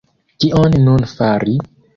Kion nun fari?